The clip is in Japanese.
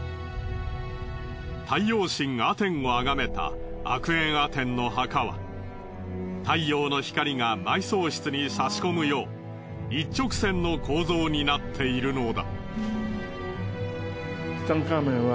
太陽神アテンをあがめたアクエンアテンの墓は太陽の光が埋葬室に差し込むよう一直線の構造になっているのだ。